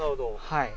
はい。